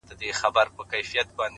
د هجرت غوټه تړمه روانېږم-